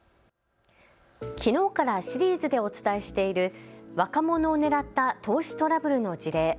きのうからシリーズでお伝えしている若者を狙った投資トラブルの事例。